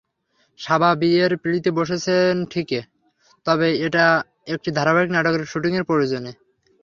সাবা বিয়ের পিঁড়িতে বসেছেন ঠিক, তবে এটা একটি ধারাবাহিক নাটকের শুটিংয়ের প্রয়োজনে।